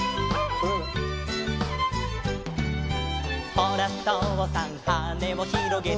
「ほらとうさんはねをひろげて」